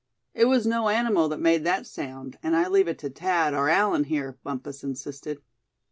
"It was no animal that made that sound, and I leave it to Thad or Allan here," Bumpus insisted.